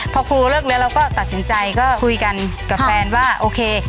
พอครูเลิกแล้วเราก็ตัดสินใจก็คุยกันกับแฟนว่าโอเค